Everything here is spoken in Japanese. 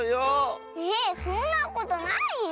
えっそんなことないよ。